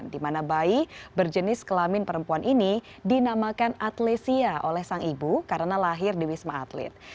di mana bayi berjenis kelamin perempuan ini dinamakan atlesia oleh sang ibu karena lahir di wisma atlet